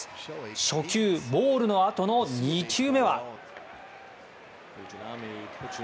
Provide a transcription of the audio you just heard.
初球ボールのあとの２球目は。